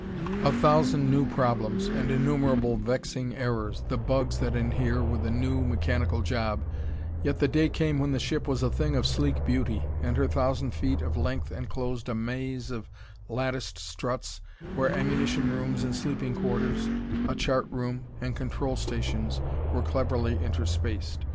A thousand new problems, and innumerable vexing errors the "bugs" that inhere with a new, mechanical job yet the day came when the ship was a thing of sleek beauty, and her thousand feet of length enclosed a maze of latticed struts where ammunition rooms and sleeping quarters, a chart room and control stations were cleverly interspaced.